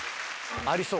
ありそう。